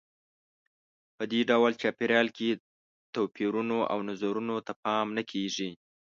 په دې ډول چاپېریال کې توپیرونو او نظرونو ته پام نه کیږي.